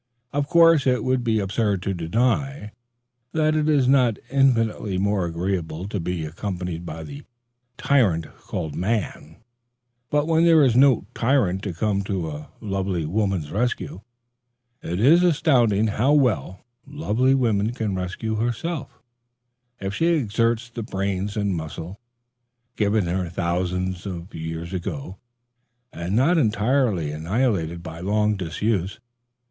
Of course it would be absurd to deny that it is not infinitely more agreeable to be accompanied by the "tyrant" called "man"; but when there is no tyrant to come to lovely woman's rescue, it is astonishing how well lovely woman can rescue herself, if she exerts the brain and muscle, given her thousands of years ago, and not entirely annihilated by long disuse.